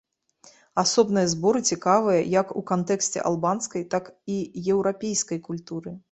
Асобныя зборы цікавыя як у кантэксце албанскай, так і еўрапейскай культуры.